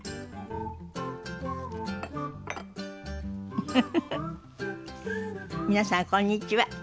フフフフ皆さんこんにちは。